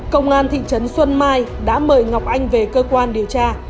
công an thị trấn xuân mai đã mời ngọc anh về cơ quan điều tra